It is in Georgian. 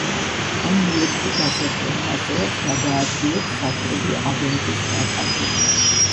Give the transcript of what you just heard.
ამ მილებში გასაშრობ მასალას გადააადგილებს საშრობი აგენტის ნაკადი.